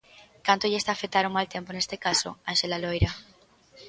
Canto lle está a afectar o mal tempo neste caso, Ánxela Loira?